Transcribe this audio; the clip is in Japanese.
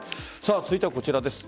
続いてはこちらです。